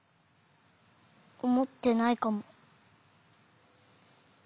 おもってないかも。